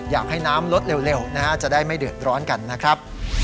อยากให้น้ำลดเร็วนะฮะจะได้ไม่เดือดร้อนกันนะครับ